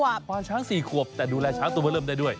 ควานช้างสี่ขวบแต่ดูแลช้างตัวเริ่มได้ด้วย